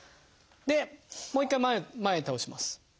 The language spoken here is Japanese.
でもう一回前へ倒します。